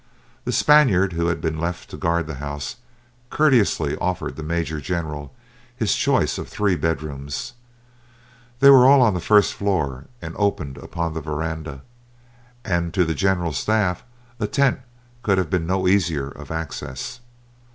The Spaniard who had been left to guard the house courteously offered the major general his choice of three bed rooms. They all were on the first floor and opened upon the veranda, and to the general's staff a tent could have been no easier of access.